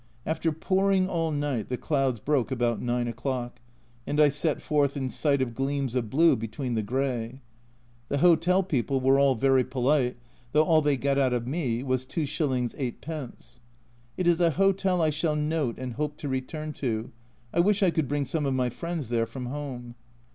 After pouring all night the clouds broke about 9 o'clock, and I set forth in sight of gleams of blue between the grey ; the hotel people were all very polite, though all they got out of me was 25. 8d. It is a hotel I shall note and hope to return to, I wish I could bring some of my friends there from home.